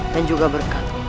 dan juga berkat